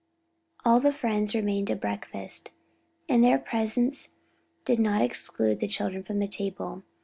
All the friends remained to breakfast, but their presence did not exclude the children from the table.